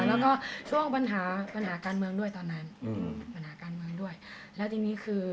ใช่ค่ะแล้วก็ช่วงปัญหาการเมืองด้วยตอนนั้นปัญหาการเมืองด้วยแล้วที่นี้คือ